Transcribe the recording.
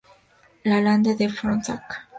La Lande-de-Fronsac